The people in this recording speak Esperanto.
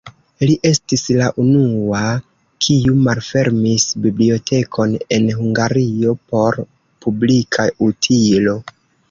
Li estis la unua, kiu malfermis bibliotekon en Hungario por publika utilo.